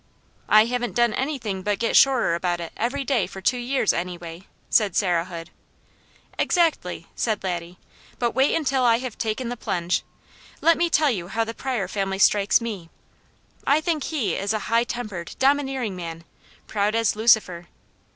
"I haven't done anything but get surer about it every day for two years, anyway," said Sarah Hood. "Exactly!" said Laddie, "but wait until I have taken the plunge! Let me tell you how the Pryor family strikes me. I think he is a high tempered, domineering man, proud as Lucifer!